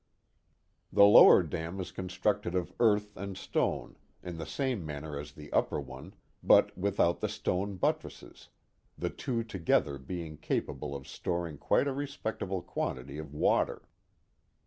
The lower dam is constructed of earth and stone, in the same manner as the upper one, but without the stone buttresses, the two together being capable of storing quite a respectable quantity of water.